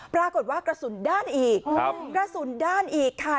ปรากฏว่ากระสุนด้านอีกครับกระสุนด้านอีกค่ะ